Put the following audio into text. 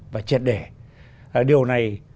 và triệt để điều này